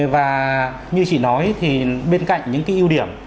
và như chị nói thì bên cạnh những cái ưu điểm